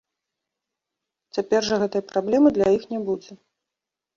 Цяпер жа гэтай праблемы для іх не будзе.